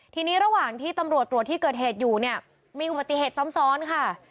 ทีนี้ระหว่างที่ตำรวจตรวจที่เกิดเหตุอยู่เนี่ยมีอุบัติเหตุซ้ำซ้อนค่ะ